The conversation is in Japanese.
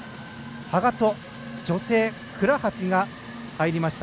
羽賀と女性、倉橋が入りました。